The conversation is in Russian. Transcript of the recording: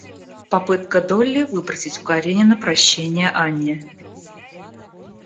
Попытка Долли выпросить у Каренина прощение Анне.